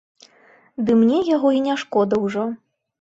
Ды мне яго і не шкода ўжо.